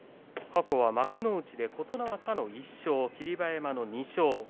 過去幕内で琴ノ若の１勝霧馬山の２勝。